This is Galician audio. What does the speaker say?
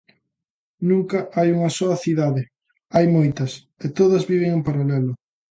Nunca hai unha soa cidade, hai moitas, e todas viven en paralelo.